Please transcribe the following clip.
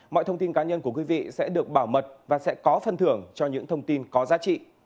mọi thông tin cá nhân của quý vị sẽ được bảo mật và sẽ có phân thưởng cho những thông tin có giá trị